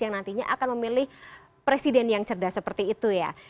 yang nantinya akan memilih presiden yang cerdas seperti itu ya